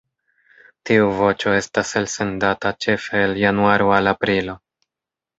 Tiu voĉo estas elsendata ĉefe el januaro al aprilo.